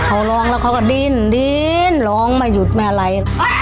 เขาร้องแล้วเขาก็ดิ้นดิ้นร้องไม่หยุดไม่อะไร